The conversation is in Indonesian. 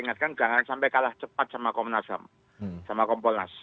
dan saya ingatkan jangan sampai kalah cepat sama komnas ham sama kompolas